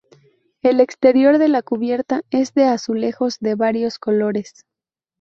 El exterior de la cubierta es de azulejos de varios colores.